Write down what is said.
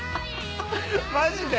マジで？